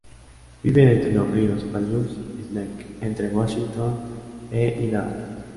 Viven entre los ríos Palus y Snake, entre Washington e Idaho.